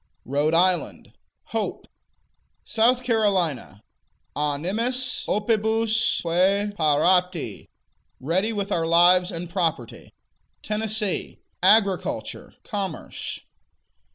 Rhode Island Hope. South Carolina Animis opibusque parati: Ready with our lives and property. Tennessee Agriculture, Commerce.